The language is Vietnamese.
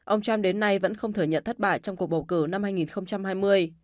ông trump đến nay vẫn không thừa nhận thất bại trong cuộc bầu cử năm hai nghìn hai mươi